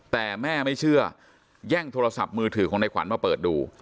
แต่แม่ไม่เชื่อแย่งโทรศัพท์มือถือของในขวัญมาเปิดดู